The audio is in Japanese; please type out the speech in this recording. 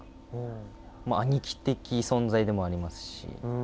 兄貴的存在でもありますし。